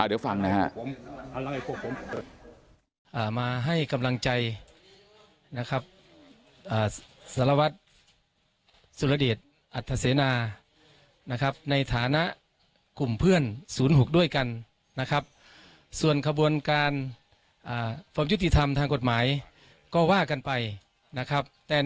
เดี๋ยวฟังนะครับ